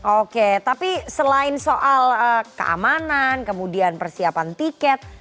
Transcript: oke tapi selain soal keamanan kemudian persiapan tiket